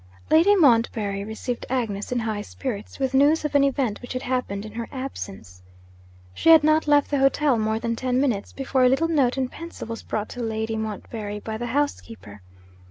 Lady Montbarry received Agnes in high spirits with news of an event which had happened in her absence. She had not left the hotel more than ten minutes, before a little note in pencil was brought to Lady Montbarry by the housekeeper.